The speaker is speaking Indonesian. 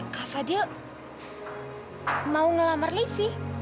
kak fadil mau ngelamar livi